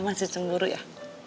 masih cemburu ya